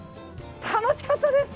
楽しかったです。